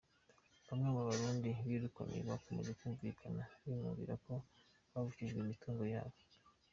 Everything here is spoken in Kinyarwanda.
Bamwe mu Barundi birukanywe bakomeje kumvikana binubira ko bavukijwe imitungo yabo.